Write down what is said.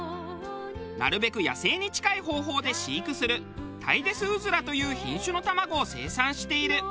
なるべく野生に近い方法で飼育するタイデスうずらという品種の卵を生産している。